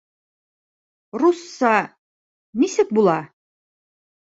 Русса... нисек була?